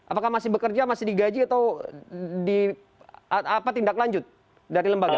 apakah masih bekerja masih digaji atau di apa tindak lanjut dari lembaga